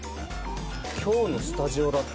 今日のスタジオだって。